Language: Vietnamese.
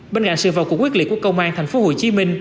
bên cạnh sự vọng của quyết liệt của công an tp hcm